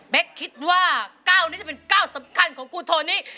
คิดว่า๙นี้จะเป็น๙สำคัญของกูโทนี่